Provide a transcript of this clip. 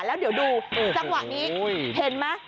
แล้วเดี๋ยวดูจังหวะนี้เห็นไหม